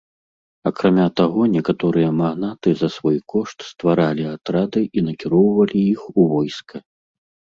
Акрамя таго некаторыя магнаты за свой кошт стваралі атрады і накіроўвалі іх у войска.